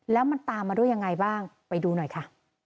แล้วมันตามมาด้วยยังไงบ้างไปดูหน่อยค่ะ